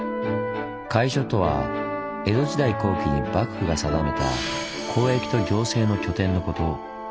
「会所」とは江戸時代後期に幕府が定めた交易と行政の拠点のこと。